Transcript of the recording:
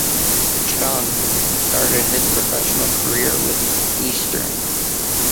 Chung started his professional career with Eastern.